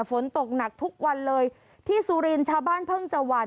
ฝนตกหนักทุกวันเลยที่สุรินทร์ชาวบ้านเพิ่งจะหวั่น